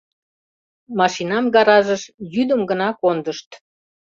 Машинам гаражыш йӱдым гына кондышт.